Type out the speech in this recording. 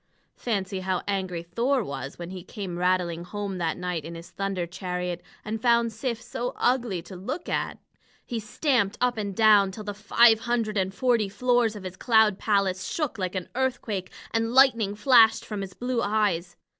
Fancy how angry Thor was when he came rattling home that night in his thunder chariot and found Sif so ugly to look at! He stamped up and down till the five hundred and forty floors of his cloud palace shook like an earthquake, and lightning flashed from his blue eyes.